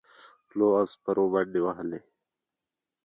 پلو او سپرو منډې وهلې.